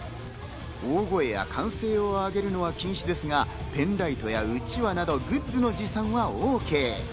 大声や歓声をあげるのは禁止ですが、ペンライトやうちわなどグッズの持参はＯＫ。